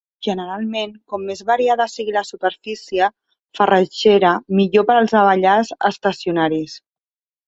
Generalment, com més variada sigui la superfície farratgera, millor per als abellars estacionaris.